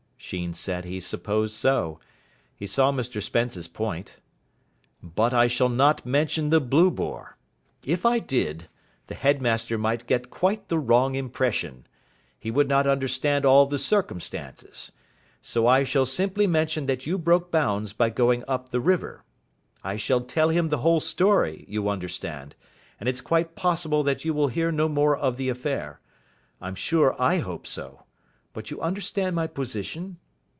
Sheen said he supposed so. He saw Mr Spence's point. "But I shall not mention the 'Blue Boar'. If I did, the headmaster might get quite the wrong impression. He would not understand all the circumstances. So I shall simply mention that you broke bounds by going up the river. I shall tell him the whole story, you understand, and it's quite possible that you will hear no more of the affair. I'm sure I hope so. But you understand my position?"